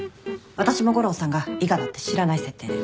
私も悟郎さんが伊賀だって知らない設定で。